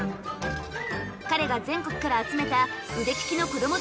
彼が全国から集めた腕利きのこども